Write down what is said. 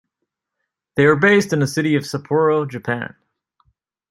They are based in the city of Sapporo, Japan.